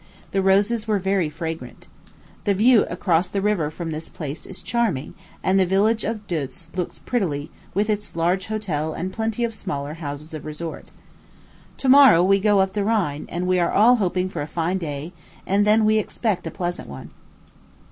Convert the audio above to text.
The roses were very fragrant. The view across the river from this place is charming; and the village of Deutz looks prettily, with its large hotel and plenty of smaller houses of resort. To morrow we go up the Rhine; and we are all hoping for a fine day, and then we expect a pleasant one.